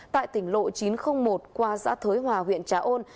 tại tỉnh lộ chín trăm linh một qua xã thới hòa huyện trà ôn